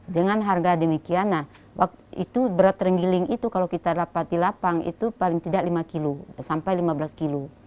dengan harga demikian nah waktu itu berat terenggiling itu kalau kita dapat di lapang itu paling tidak lima kilo sampai lima belas kilo